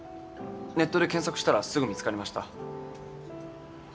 ネットで検索したらすぐ見つかりました。